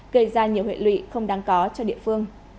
quý vị không đáng có cho địa phương